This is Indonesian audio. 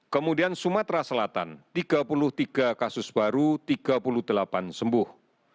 kemudian sumatera selatan tiga puluh tiga kasus baru tiga puluh delapan sembuh